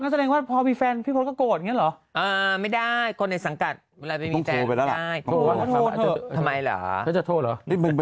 ฮีทำดีที่สุดแล้วครับ